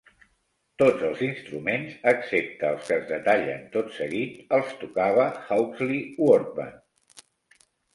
Tots els instruments, excepte els que es detallen tot seguit, els tocava Hawksley Workman.